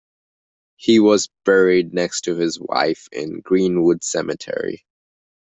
He was buried next to his wife in Greenwood Cemetery.